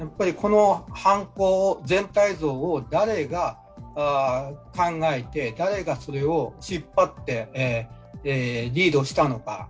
犯行全体像を誰が考えて誰がそれを引っ張って、リードしたのか。